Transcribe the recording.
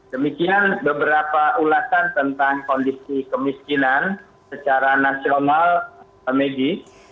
demikian beberapa ulasan tentang kondisi kemiskinan secara nasional megi